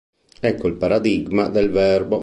Ecco il paradigma del verbo.